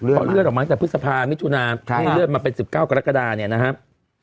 เพราะเลื่อนออกมาตั้งแต่พฤษภามิถุนาให้เลื่อนมาเป็น๑๙กรกฎาเนี่ยนะครับ